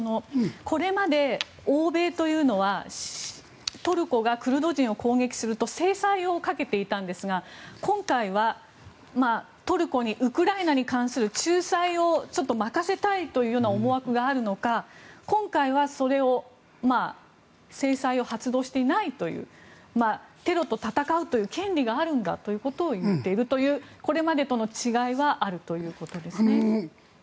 これまで欧米というのはトルコがクルド人を攻撃すると制裁をかけていたんですが今回はトルコにウクライナに関する仲裁をちょっと任せたいというような思惑があるのか今回は制裁を発動していないというテロと戦うという権利があるんだということを言っているというこれまでとの違いはあるということですね。